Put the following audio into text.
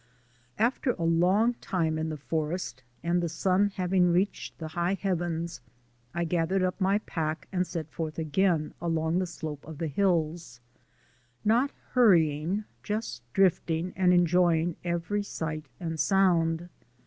After a long time in the forest, and the sun having reached the high heavens, I gathered up my pack and set forth again along the slope of the hills not hurrying, just drifting and enjoying every sight and sound.